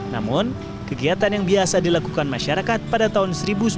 namun kegiatan yang biasa dilakukan masyarakat pada tahun seribu sembilan ratus sembilan puluh